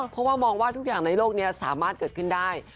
เพราะว่ามองว่าทุกอย่างในโลกนี้สามารถเกิดขึ้นได้